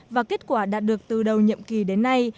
và kết quả đạt được từ đầu nhiệm kỳ đến nay